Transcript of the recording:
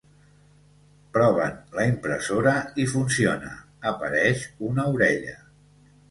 Proven la impressora i funciona, apareix una orella.